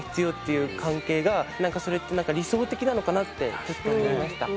いう関係がそれって理想的なのかなってちょっと思いました。